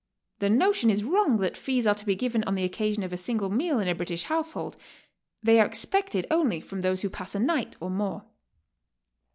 The notion is wrong that fees are to be given on the occasion oI a single meal in a British household; they are expected only from those who pass a night or more.